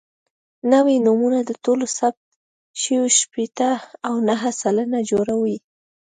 نوي نومونه د ټولو ثبت شویو شپېته او نهه سلنه جوړوي.